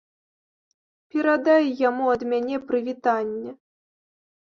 Перадай яму ад мяне прывітанне.